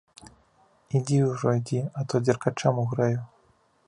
Ідзі ўжо, ідзі, а то дзеркачом угрэю.